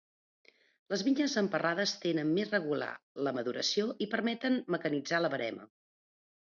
Les vinyes emparrades tenen més regular la maduració i permeten mecanitzar la verema.